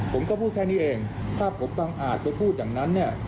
ผมก็พูดแค่นี้เองถ้าผมบังอาจไปพูดอย่างนั้นเนี่ย